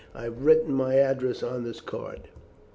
I have written my address on this card."